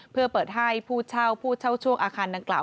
เพื่อเปิดให้ผู้เช่าผู้เช่าช่วงอาคารดังกล่าว